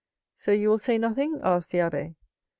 "So you will say nothing?" asked the abbé.